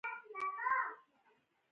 لا هم خلکو ته په قاطعیت وعدې ورکول کېږي.